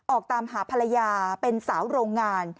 ออกตามหาภรรยาเป็นสาวโรงงาน